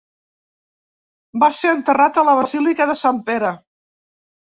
Va ser enterrat a la basílica de Sant Pere.